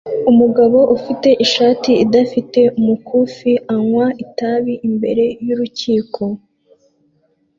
Umugabo ufite ishati idafite umukufi anywa itabi imbere yurukiko